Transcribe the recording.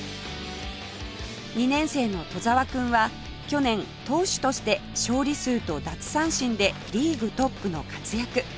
２年生の戸澤くんは去年投手として勝利数と奪三振でリーグトップの活躍